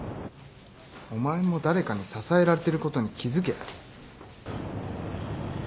お前も誰かに支えられてることに気付け。